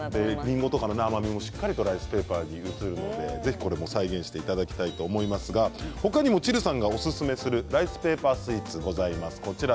りんごの甘みもしっかりライスペーパーに移るので試していただきたいと思いますが他にもチルさんがおすすめするライスペーパースイーツ。